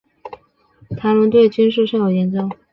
谭纶对军事甚有研究。